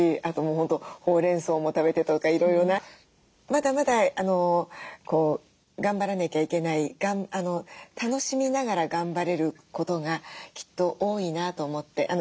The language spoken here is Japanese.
あとホウレンソウも食べてとかいろいろなまだまだ頑張らなきゃいけない楽しみながら頑張れることがきっと多いなと思って。